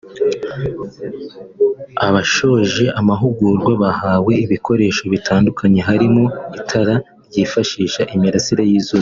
Abashoje amahugurwa bahawe ibikoresho bitandukanye harimo itara ryifashisha imirasire y’izuba